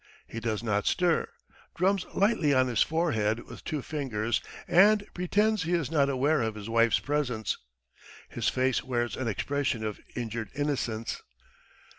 He does not stir, drums lightly on his forehead with two fingers, and pretends he is not aware of his wife's presence. ... His face wears an expression of injured innocence.